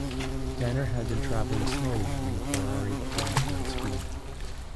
Danner had been travelling slowly when the Ferrari came through at speed.